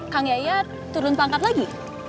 kang yaya turun pangkat lagi